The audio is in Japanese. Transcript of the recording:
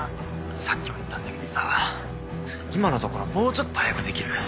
さっきも言ったんだけどさぁ今のところもうちょっと早くできる？